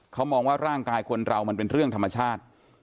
เขามองว่าร่างกายคนเรามันเป็นเรื่องธรรมชาติ